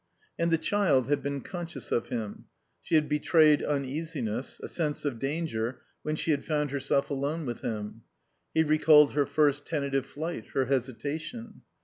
And the child had been conscious of him. She had betrayed uneasiness, a sense of danger, when she had found herself alone with him. He recalled her first tentative flight, her hesitation.